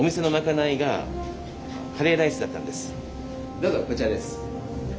どうぞこちらです。